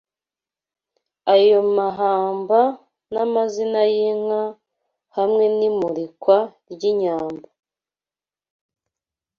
Ayo mahamba n’amazina y’inka hamwe n’imurikwa ry’inyambo